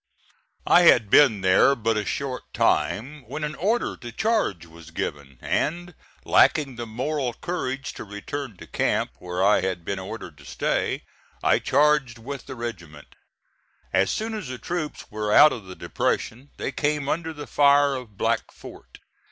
I had been there but a short time when an order to charge was given, and lacking the moral courage to return to camp where I had been ordered to stay I charged with the regiment As soon as the troops were out of the depression they came under the fire of Black Fort.